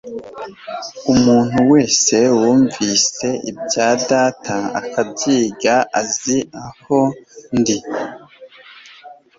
umuntu wese wumvise ibya Data akabyiga aza aho ndi.»